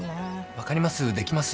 分かりますできます。